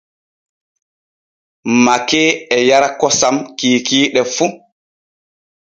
Makee e yaara kosam kiikiiɗe fu.